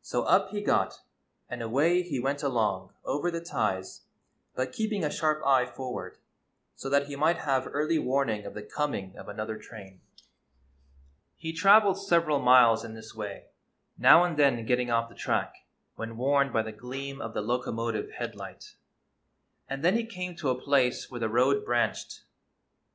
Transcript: So up he got, and away he went along over the ties, but keeping a sharp eye forward so that he might have early warning of the coming of another train. i So GYPSY MAKES ANOTHER MISTAKE He traveled several miles in tliis way, now and then getting off the track when warned by the gleam of the locomotive headlight; and then he came to a place where the road branched.